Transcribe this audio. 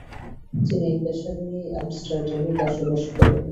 তিনি এই পেশা নিয়েই আমস্টারডামে বসবাস করেন।